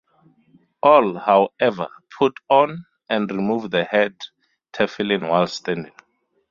All, however, put on and remove the head tefillin while standing.